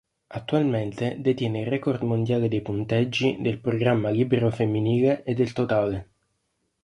Attualmente detiene il record mondiale nei punteggi del programma libero femminile e del totale.